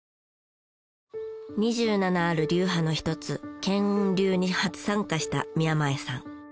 ２７ある流派の一つ巻雲流に初参加した宮前さん。